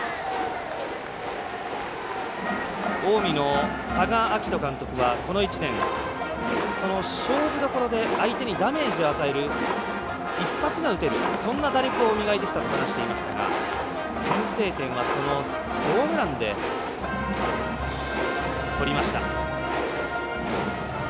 近江の多賀章仁監督はこの１年、その勝負どころで相手にダメージを与える一発が打てるそんな打力を磨いてきたと話していましたが先制点はホームランでとりました。